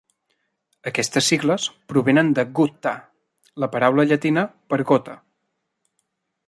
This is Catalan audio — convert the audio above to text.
Aquestes sigles provenen de "gutta", la paraula llatina per gota.